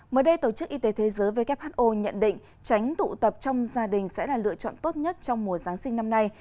mới đây tổ chức y tế thế giới who nhận định tránh tụ tập trong gia đình sẽ là lựa chọn tốt nhất trong mùa giáng sinh năm nay